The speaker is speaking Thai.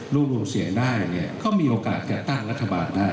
รวมรวมเสียงได้เนี่ยก็มีโอกาสจัดตั้งรัฐบาลได้